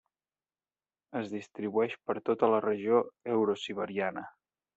Es distribueix per tota la regió eurosiberiana.